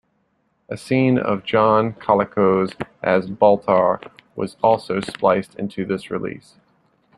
A scene of John Colicos as Baltar was also spliced into this release.